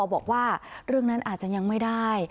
บอกว่าเรื่องนั้นอาจจะยังไม่ได้